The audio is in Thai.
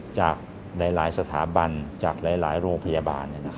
จากหลายสถาบันโรงพยาบาล